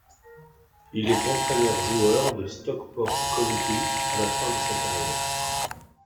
Il est entraîneur-joueur de Stockport County à la fin de sa carrière.